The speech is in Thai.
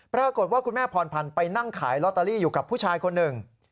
ปรากฏว่าคุณแม่พรพันธ์ไปนั่งขายลอตเตอรี่อยู่กับผู้ชายคนหนึ่ง